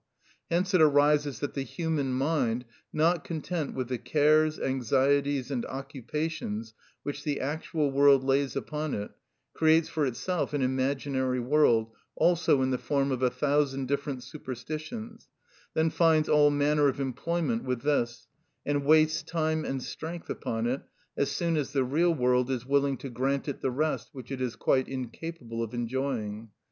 Hence it arises that the human mind, not content with the cares, anxieties, and occupations which the actual world lays upon it, creates for itself an imaginary world also in the form of a thousand different superstitions, then finds all manner of employment with this, and wastes time and strength upon it, as soon as the real world is willing to grant it the rest which it is quite incapable of enjoying.